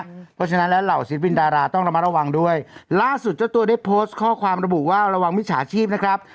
เพราะฉะนั้นแล้วเหล่าศิลปินดาราต้องระมัดระวังด้วยล่าสุดเจ้าตัวได้โพสต์ข้อความระบุว่าระวังมิจฉาชีพนะครับ